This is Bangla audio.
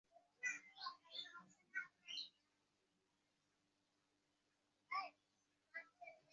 তিন্নি কিছুক্ষণ চুপ করে থেকে বলল, আমি জানি না।